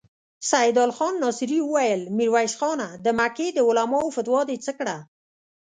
سيدال خان ناصري وويل: ميرويس خانه! د مکې د علماوو فتوا دې څه کړه؟